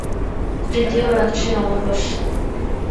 তৃতীয় রাত্রি অমাবস্যা।